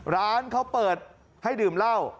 ร้านเขาเปิดให้ดื่มเหล้า